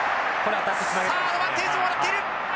さあアドバンテージをもらっている。